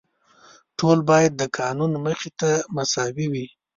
ټول باید د قانون مخې ته مساوي وي.